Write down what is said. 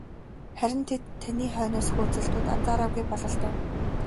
Харин тэд таны хойноос хөөцөлдөөд анзаараагүй бололтой.